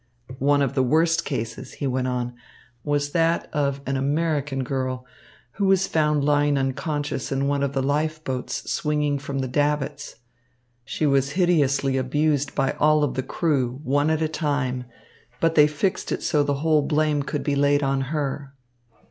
"One of the worst cases," he went on, "was that of an American girl, who was found lying unconscious in one of the life boats swinging from the davits. She was hideously abused by all the crew, one at a time, but they fixed it so that the whole blame could be laid on her."